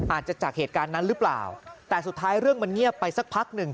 จากเหตุการณ์นั้นหรือเปล่าแต่สุดท้ายเรื่องมันเงียบไปสักพักหนึ่ง